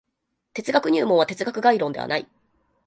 哲学入門は哲学概論ではない。